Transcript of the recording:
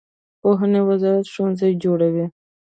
پوهنې وزارت ښوونځي جوړوي